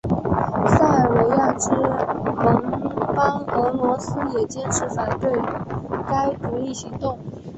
塞尔维亚之盟邦俄罗斯也坚持反对该独立行动。